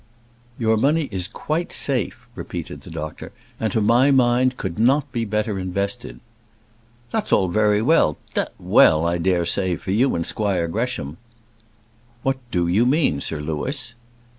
"Your money is quite safe," repeated the doctor, "and, to my mind, could not be better invested." "That's all very well; d well, I dare say, for you and Squire Gresham " "What do you mean, Sir Louis?"